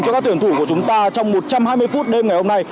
cho các tuyển thủ của chúng ta trong một trăm hai mươi phút đêm ngày hôm nay